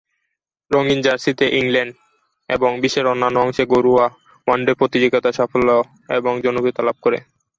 রঙিন জার্সিতে ইংল্যান্ড এবং বিশ্বের অন্যান্য অংশে ঘরোয়া ওয়ানডে প্রতিযোগিতার সাফল্য এবং জনপ্রিয়তা লাভ করে।